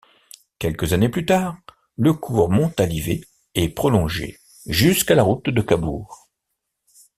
Quelques années plus tard, le cours Montalivet est prolongé jusqu'à la route de Cabourg.